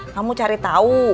kamu cari tahu